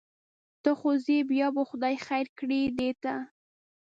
ته خو ځې بیا به خدای خیر کړي دې ته.